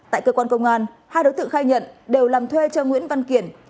tại cơ quan công an hai đối tượng khai nhận đều làm thuê cho nguyễn văn kiển